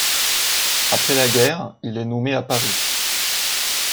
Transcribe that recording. Après la guerre, il est nommé à Paris.